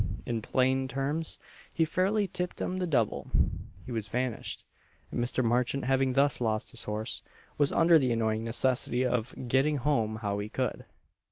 In plain terms, he fairly "tipped 'em the double" he was vanished; and Mr. Marchant having thus lost his horse, was under the annoying necessity of getting home how he could.